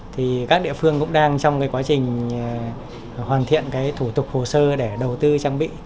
thì các địa phương cũng đang trong cái quá trình hoàn thiện cái thủ tục hồ sơ để đầu tư trang bị